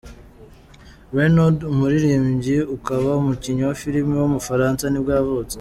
Renaud, umuririmbyi akaba n’umukinnyi wa filime w’umufaransa nibwo yavutse.